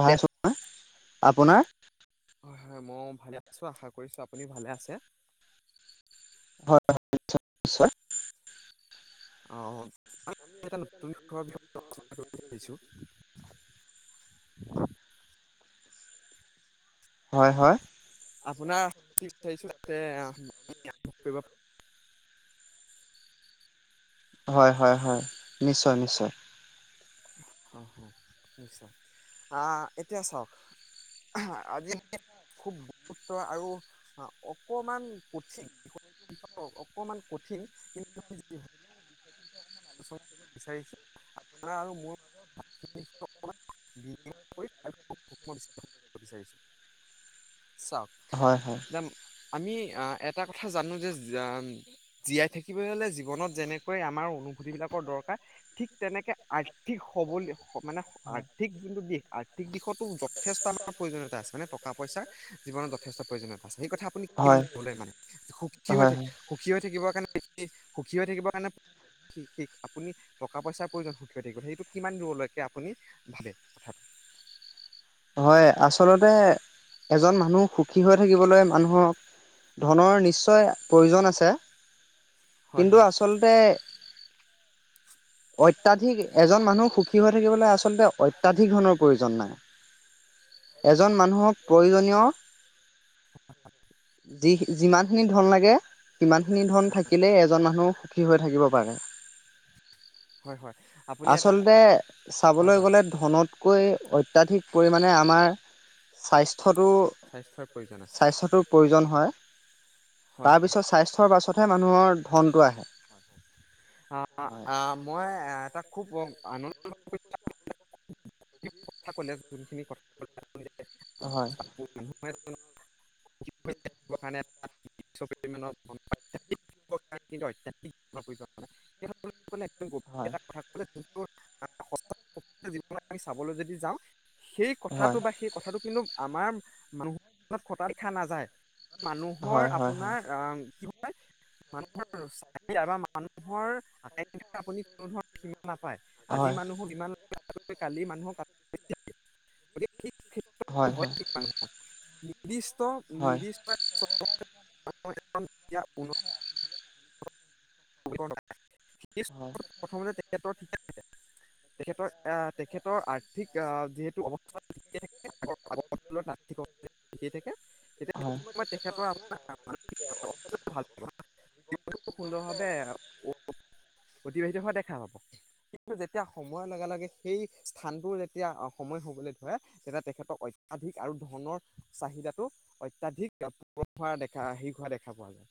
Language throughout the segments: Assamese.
পাইছো, আপোনাৰ হয় হয় মই ভালে আছো আশা কৰিছো আপুনি ভালে আছে হয় হয় নিশ্চয় নিশ্চয় অ এটা নতুনৰ বিষয়ে আলোচনা কৰিব বিচাৰিছোঁ হয় হয় আপোনাৰ ন্মতি বিচাৰিছো যাতে [unintelligible] কৰিব হয় হয় হয় নিশ্চয় নিশ্চয় অহ নিশ্চয় আহ এতিয়া চাওক আজি খুব বহুৰুত আৰু অকমান কঠিন অকমান কঠিন কিন্তু [unintelligible] বিচাৰিছো আমাৰ আৰু [unintelligible] চাওক হয় হয় আমি আহ এটা কথা জানো যে জীয়াই থাকিব হলে জীৱনত যেনেকৈ আমাৰ অনুভূতি বিলাকৰ দৰকাৰ ঠিক তেনেকে আৰ্থিক সবলে মানে আৰ্থিক যোনটো দিশ আৰ্থিক দিশতো যথেষ্ট আমাৰ প্ৰয়োজনীয়তা আছে মানে টকা পইচাৰ জীৱনত যথেষ্ট প্ৰয়োজনীয়তা আছে সেই কথা আপুনি হয় কিমানবলৈ মানে সুখী হৈ হয় থাক সুখী হৈ থাকিবৰ কাৰণে কি সুখী হৈ থাকিব কাৰণে শিক আপুনি টকা পইচাৰ প্ৰয়োজন সুখী হৈ থাকিব সেই কিমান দূৰ লৈকে আপুনি ভাবে কথাটো হয় আচলতে এজন মানুহ সুখী হৈ থাকিবলৈ মানুহক ধনৰ নিশ্চয় প্ৰয়োজন আছে হয় কিন্তু হয় আচলতে অত্যাধিক এজন মানুহ সুখী হৈ থাকিবলৈ আচলতে অত্যাধিক ধনৰ প্ৰয়োজন নাই এজন মানুহক প্ৰয়োজনীয় যি যিমান খিনি ধন লাগে ইমানখিনি ধন থাকিলে এজন মানুহ সুখী হৈ থাকিব পাৰে। হয় হয় আপুনি এটা অ, আচলতে হয় চাবলৈ হয় গ'লে ধনতকৈ অত তাত হি পৰিমাণে আমাৰ স্বাস্থ্যটো স্বাস্থ্যৰ প্ৰয়োজন আছে স্বাস্থ্যটোৰ প্ৰয়োজন হয় হয় হয় তাৰপিছত স্বাস্থ্যৰ পাছতহে মানুহৰ ফোনটো আহ অ অ মই এটা খুব আনন্দ [unintelligible] হয় [unintelligible] [unintelligible] একদম গভীৰ হয়, এটা কথা কলে [unintelligible] আমি চাবলৈ যদি যাওঁ সেই কথাটো হয়, বা সেই কথাটো কিন্তু আমাৰ মানুহৰ [unintelligible] দেখা নাযায় মানুহৰ হয়, হয়, হয়, আপোনাৰ হয়, আ কি [inaudible] [inaudible] নাপায় আজি মানুহো ইমান কালি মানুহৰ [unintelligible] হয় হয় [unintelligible] নিৰ্দিষ্ট হয়, নিৰ্দিষ্ট [inaudible] [inaudible] [inaudible] [unintelligible] প্ৰথমতে হয়, [unintelligible] তেখেতৰ আহ তেখেতৰ আৰ্থিক আহ যিহেতু অৱস্থা [unintelligible] [unintelligible] আপোনাৰ থাকে মানসিক তেতিয়া অৱস্থাটো তেখেতৰ ভাল ভাল পাব বা সুন্দৰভাৱে অতিবাহিত হোৱা দেখা পাব কিন্তু যেতিয়া সময়ৰ লগে লগে সেই স্থানটো যেতিয়া সময় হবলৈ ধৰে তেতিয়া তেখেতক অত্যাধিক আৰু ধনৰ চাহিদাটো অত্যাধিক পূৰণ হোৱা দেখা হেৰি হোৱা দেখা পোৱা যায়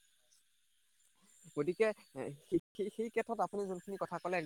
গতিকে এ সেই ক্ষেত্ৰত আপুনি যোনখিনি কথা ক'লে একদম